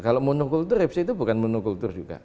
kalau monokultur repsyet itu bukan monokultur juga